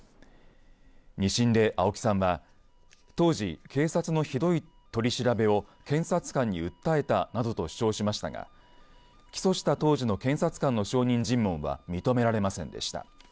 ２審で、青木さんは当時、警察のひどい取り調べを検察官に訴えたなどと主張しましたが起訴した当時の検察官の証人尋問は認められませんでした。